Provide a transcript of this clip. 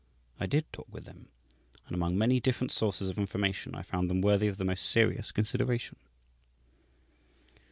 I did talk with them, and among many different sources of information I found them worthy of the most serious consideration.